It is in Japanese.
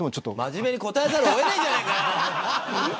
真面目に答えざるを得ないじゃないかよ。